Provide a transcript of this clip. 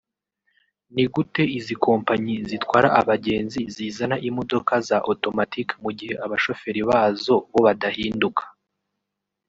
ni gute izi kompanyi zitwara abagenzi zizana imodoka za automatic mu gihe abashoferi bazo bo badahinduka